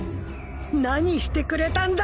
何してくれたんだ！